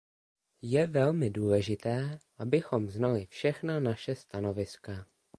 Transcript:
Je velmi důležité, abychom znali všechna vaše stanoviska.